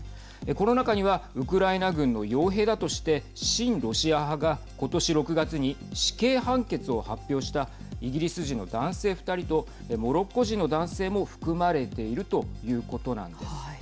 この中にはウクライナ軍のよう兵だとして親ロシア派が今年６月に死刑判決を発表したイギリス人の男性２人とモロッコ人の男性も含まれているということなんです。